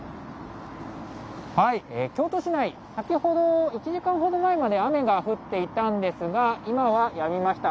京都市内、先ほど、１時間ほど前まで雨が降っていたんですが、今はやみました。